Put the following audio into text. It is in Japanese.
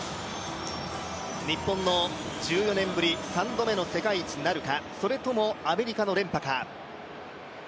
日本の１４年ぶり３度目の世界一なるか、４それともアメリカの連覇か。